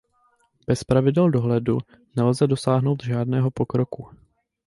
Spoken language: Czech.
Bez pravidel dohledu nelze dosáhnout žádného pokroku.